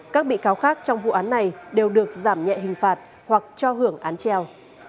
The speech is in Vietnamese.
các bị cáo khác trong vụ án này đều được giảm nhẹ hình phạt hoặc cho hưởng án treo